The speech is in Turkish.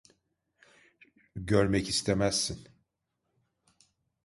Görmek istemezsin.